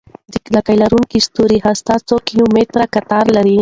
د لکۍ لرونکي ستوري هسته څو کیلومتره قطر لري.